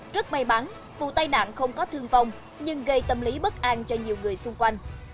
rất may mắn vụ tai nạn không có thương vong nhưng gây tâm lý bất an cho nhiều người xung quanh